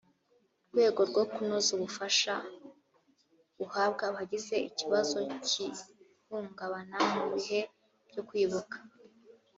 rwego rwo kunoza ubufasha buhabwa abagize ikibazo cy ihungabana mu bihe byo kwibuka